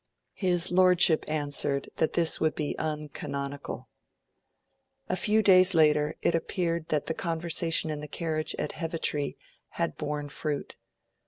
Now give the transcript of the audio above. His Lordship answered that this would be uncanonical. A few days later, it appeared that the conversation in the carriage at Heavitree had borne fruit.